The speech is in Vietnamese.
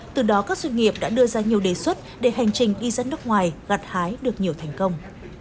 từ đó các doanh nghiệp đã đưa ra nhiều đề xuất để hành trình đi ra nước ngoài gặt hái được nhiều thành công